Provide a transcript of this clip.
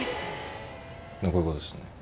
こういうことですね